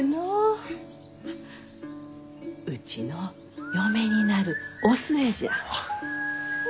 うちの嫁になるお寿恵じゃ。